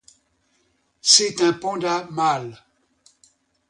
C'est un panda mâle.